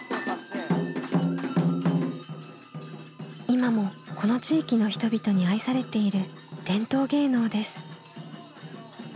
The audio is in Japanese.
今もこの地域の人々に愛されている伝統芸能です。